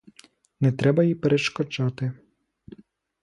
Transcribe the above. Не треба їй перешкоджати.